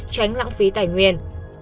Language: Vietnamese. tránh lãng phí tài nguyên